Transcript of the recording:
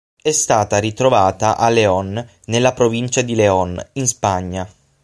È stata ritrovata a León nella provincia di León, in Spagna.